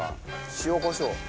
塩コショウ。